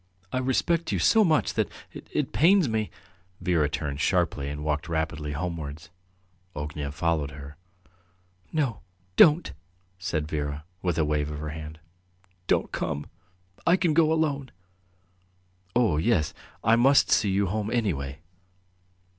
"I respect you so much that ... it pains me. ..." Vera turned sharply and walked rapidly homewards. Ognev followed her. "No, don't!" said Vera, with a wave of her hand. "Don't come; I can go alone." "Oh, yes ... I must see you home anyway."